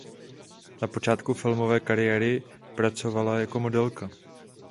Na počátku filmové kariéry pracovala jako modelka.